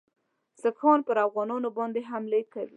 سیکهان پر افغانانو باندي حملې کوي.